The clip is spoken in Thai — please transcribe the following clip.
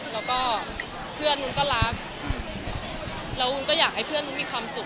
แล้วก็เพื่อนนู้นก็รักแล้ววุ้นก็อยากให้เพื่อนนู้นมีความสุข